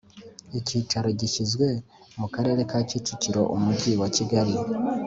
Icyicaro gishyizwe mu karere ka Kicukiro Umujyi wakigali